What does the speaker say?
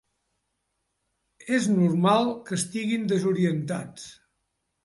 És normal que estiguin desorientats.